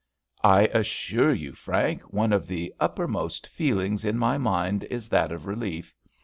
'" "I assure you, Frank, one of the uppermost feelings in my mind is that of relief.